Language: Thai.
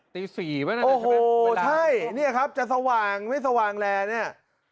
ตี๔ไหมนะโอ้โหใช่เนี่ยครับจะสว่างไม่สว่างแหละเนี่ย